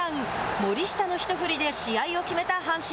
森下の一振りで試合を決めた阪神。